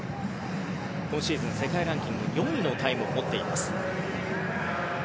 今シーズン、世界ランキング４位のタイムを持っています。